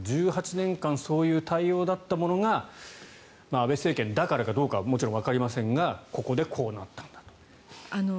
１８年間そういう対応だったものが安倍政権だからかどうかはもちろんわかりませんがここでこうなったんだと。